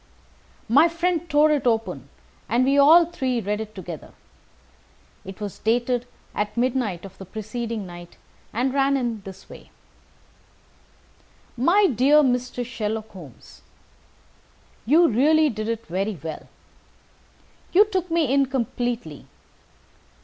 My friend tore it open, and we all three read it together. It was dated at midnight of the preceding night, and ran in this way: "My dear Mr. Sherlock Holmes, You really did it very well. You took me in completely.